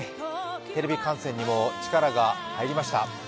テレビ観戦にも力が入りました。